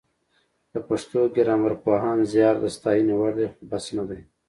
د پښتو ګرامرپوهانو زیار د ستاینې وړ دی خو بس نه دی